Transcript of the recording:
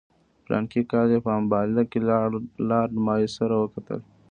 په فلاني کال کې یې په امباله کې له لارډ مایو سره وکتل.